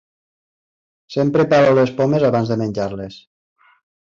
Sempre pelo les pomes abans de menjar-les.